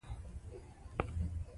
ازادي راډیو د کډوال وضعیت انځور کړی.